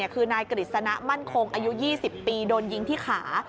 คือนายกฤษณะมั่นคงอายุ๒๐ปีโดนยิงที่ขา